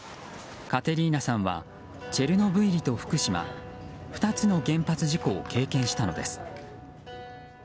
カテリーナさんはチェルノブイリと福島２つの原発事故を経験したのです。